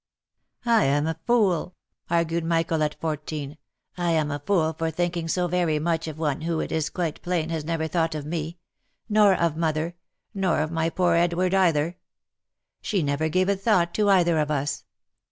" I am a fool," argued Michael at fourteen, —" I am a fool for thinking so very much of one who it is quite plain has never thought of me — nor of mother — nor of my poor Edward either ; she never gave a thought to either of us